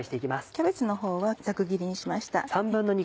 キャベツの方はざく切りにしました。